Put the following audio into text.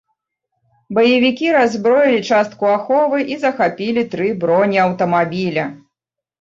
Баевікі раззброілі частку аховы і захапілі тры бронеаўтамабіля.